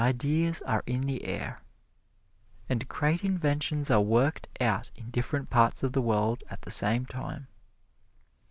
Ideas are in the air, and great inventions are worked out in different parts of the world at the same time.